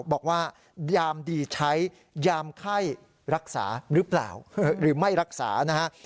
บอกว่ายามดีใช้ยามไข้รักษาหรือเปล่าหรือไม่รักษานะฮะ